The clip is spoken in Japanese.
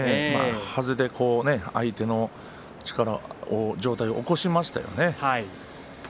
はずで相手の上体を起こしましたよね。